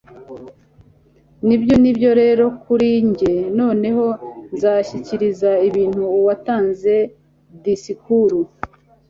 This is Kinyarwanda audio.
nibyo, nibyo rero kuri njye. noneho nzashyikiriza ibintu uwatanze disikuru